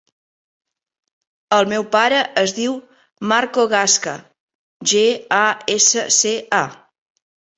El meu pare es diu Marco Gasca: ge, a, essa, ce, a.